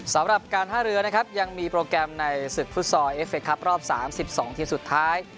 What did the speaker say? สำหรับการท่าเรือนะครับยังมีโปรแกรมในศึกฟุตซอลเอฟเคครับรอบ๓๒ทีมสุดท้าย